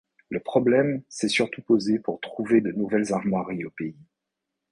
Le problème s'est surtout posé pour trouver de nouvelles armoiries au pays.